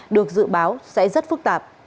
được dự báo sẽ rất phức tạp